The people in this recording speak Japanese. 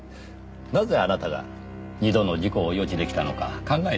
なぜあなたが二度の事故を予知出来たのか考えてみました。